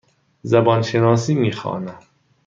زبان شناسی می خوانم.